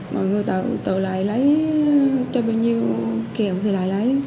mọi người tự lại lấy cho bao nhiêu kẹo thì lại lấy